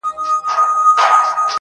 گرانه شاعره لږ څه يخ دى كنه